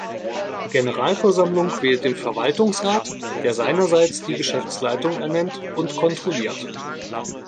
Die Generalversammlung wählt den Verwaltungsrat, der seinerseits die Geschäftsleitung ernennt und kontrolliert.